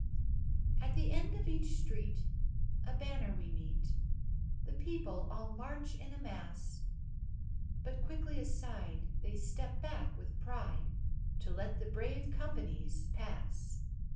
At the end of each street, a banner we meet, The people all march in a mass, But quickly aside, they step back with pride, To let the brave companies pass.